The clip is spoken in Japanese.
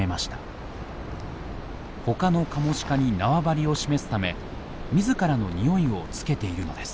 他のカモシカに縄張りを示すため自らのにおいをつけているのです。